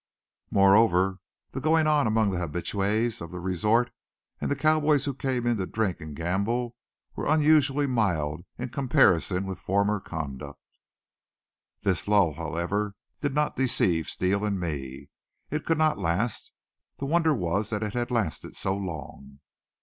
Moreover, the goings on among the habitues of the resorts and the cowboys who came in to drink and gamble were unusually mild in comparison with former conduct. This lull, however, did not deceive Steele and me. It could not last. The wonder was that it had lasted so long.